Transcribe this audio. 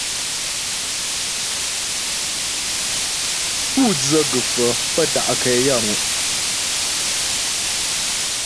Pú dzə gə̀faə̀ pə́ ta' nkɛ yaə́mu'.